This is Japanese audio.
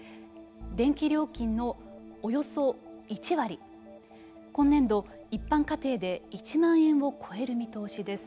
電気料金のおよそ１割今年度、一般家庭で１万円を超える見通しです。